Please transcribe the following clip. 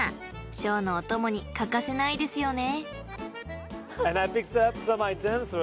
［ショーのお供に欠かせないですよね］